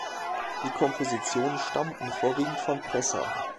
Die Kompositionen stammten vorwiegend von Presser.